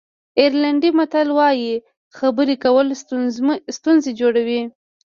آیرلېنډي متل وایي خبرې کول ستونزې جوړوي.